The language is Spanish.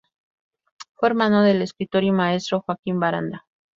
Fue hermano del escritor y maestro Joaquín Baranda.